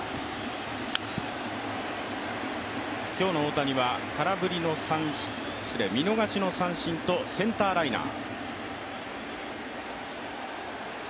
今日の大谷は見逃しの三振とセンターライナー。